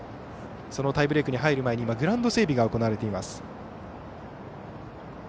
そのタイブレークに入る前にグラウンド整備が行われています。